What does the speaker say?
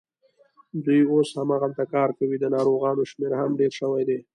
دوی اوس هماغلته کار کوي، د ناروغانو شمېر هم ډېر شوی دی.